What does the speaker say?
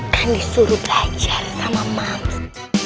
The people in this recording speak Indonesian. kan disuruh belajar sama maut